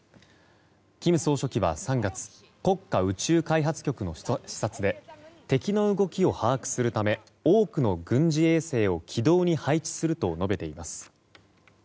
金総書記は３月国家宇宙開発局の視察で敵の動きを把握するため多くの軍事衛星を軌道に配置すると述べています。